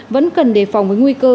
vẫn cần đề phòng với nguy cơ